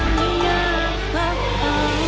dia tak salah